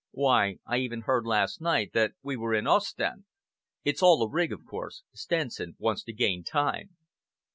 Why, I even heard last night that we were in Ostend. It's all a rig, of course. Stenson wants to gain time."